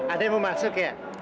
ada yang mau masuk ya